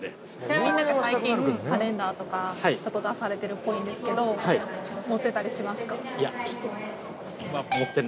ちなみに最近カレンダーとか出されてるっぽいんですけど持ってたりしますか？